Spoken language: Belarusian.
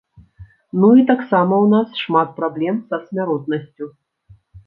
Ну і таксама у нас шмат праблем са смяротнасцю.